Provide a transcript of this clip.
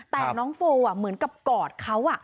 แต่น้องโฟลเหมือนกับกอดเขา